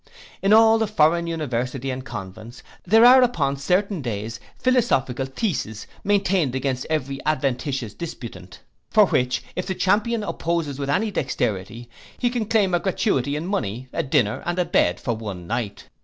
In all the foreign universities and convents, there are upon certain days philosophical theses maintained against every adventitious disputant; for which, if the champion opposes with any dexterity, he can claim a gratuity in money, a dinner, and a bed, for one night.